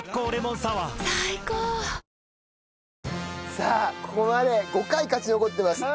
さあここまで５回勝ち残ってます